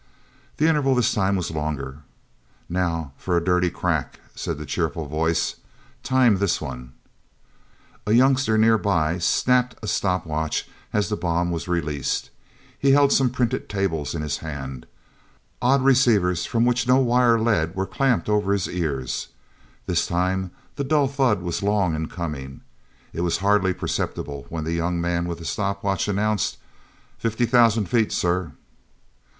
The interval this time was longer. "Now for a dirty crack," said the cheerful voice. "Time this one." youngster nearby snapped a stop watch as the bomb was released. He held some printed tables in his hands. Odd receivers from which no wire led were clamped over his ears. This time the dull thud was long in coming. It was hardly perceptible when the young man with the stop watch announced: "Fifty thousand feet, sir."